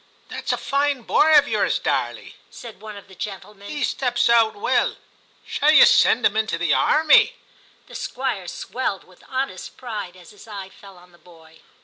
'That's a fine boy of yours, Darley,' said one of the gentlemen ;* he steps out well. Shall you send him into the army ?' The Squire swelled with honest pride as his eye fell on the boy.